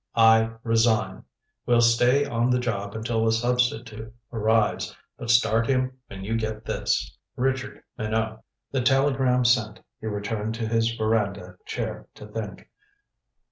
"I resign. Will stay on the job until a substitute arrives, but start him when you get this. "RICHARD MINOT." The telegram sent, he returned to his veranda chair to think.